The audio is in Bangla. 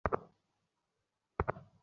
মনোবল হারান নি।